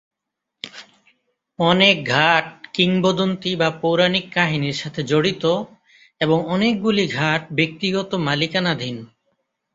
অনেক ঘাট কিংবদন্তী বা পৌরাণিক কাহিনীর সাথে জড়িত এবং অনেকগুলি ঘাট ব্যক্তিগত মালিকানাধীন।